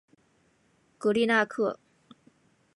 戈利纳克。